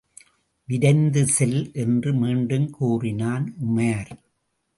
விரைந்து செல்! என்று மீண்டும் கூறினான் உமார்.